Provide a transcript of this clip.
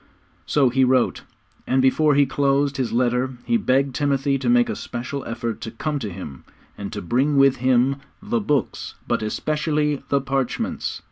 So he wrote, and before he closed his letter he begged Timothy to make a special effort to come to him, and to bring with him '_the books, but especially the parchments.